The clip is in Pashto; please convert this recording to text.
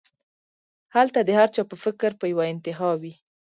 هلته د هر چا فکر پۀ يوه انتها وي